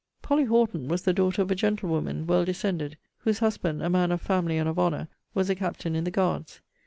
POLLY HORTON was the daughter of a gentlewoman, well descended; whose husband, a man of family and of honour, was a Captain in the Guards.